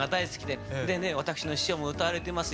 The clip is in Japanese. でね私の師匠も歌われてます